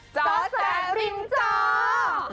เจาะแจ๊กริมเจาะ